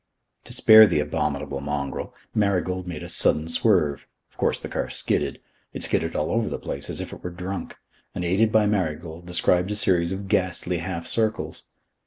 To spare the abominable mongrel, Marigold made a sudden swerve. Of course the car skidded. It skidded all over the place, as if it were drunk, and, aided by Marigold, described a series of ghastly half circles.